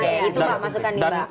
oke itu mbak masukkan nih mbak